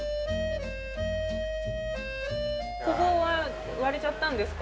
ここは割れちゃったんですか？